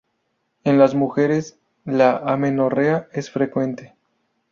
En las mujeres, la amenorrea es frecuente.